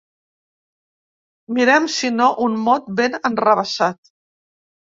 Mirem si no un mot ben enrevessat.